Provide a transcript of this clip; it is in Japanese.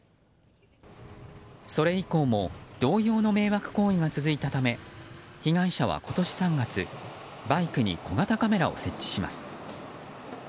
それ以降も同様の迷惑行為が続いたため被害者は今年３月バイクに小型カメラを設置します。